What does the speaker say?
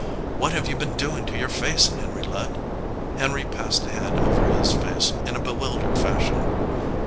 "What have you been doin to your face, Henry Ludd?" Henry passed a hand over his face in a bewil dered fashion.